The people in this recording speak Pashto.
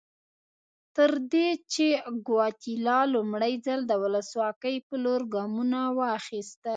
تر دې چې ګواتیلا لومړی ځل د ولسواکۍ په لور ګامونه واخیستل.